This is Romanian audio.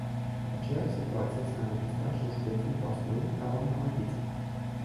Aceeași situație s-a înregistrat și în județul Vaslui, la vama Albița.